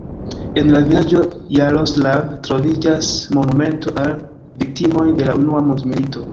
En la vilaĝo Jaroslav troviĝas monumento al viktimoj de la unua mondmilito.